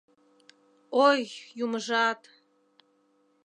Ой, Юмыжат...